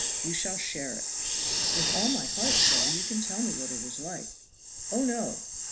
You shall share it." "With all my heart, sir; you can tell me what it is like." "Oh, no!